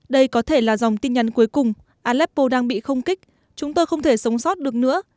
đây có thể là dòng tin nhắn cuối cùng aleppo đang bị không kích chúng tôi không thể sống sót được nữa